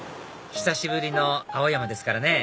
久しぶりの青山ですからね